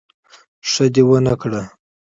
ښه دي ونکړه